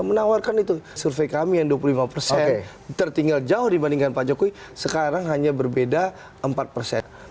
menawarkan itu survei kami yang dua puluh lima persen tertinggal jauh dibandingkan pak jokowi sekarang hanya berbeda empat persen